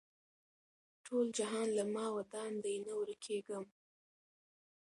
ټول جهان له ما ودان دی نه ورکېږم